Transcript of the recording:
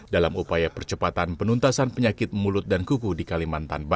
dalam upaya percepatan penuntasan penyakit mulut dan kuku di kalimantan